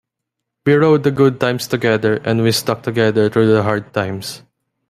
We rode the good times together, and we stuck together through the hard times.